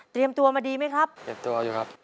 ตัวมาดีไหมครับเตรียมตัวอยู่ครับ